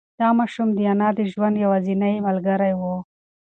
دا ماشوم د انا د ژوند یوازینۍ ملګری و.